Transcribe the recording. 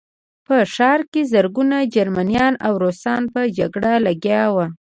په ښار کې زرګونه جرمنان او روسان په جګړه لګیا وو